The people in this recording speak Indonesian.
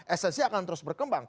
esensi akan terus berkembang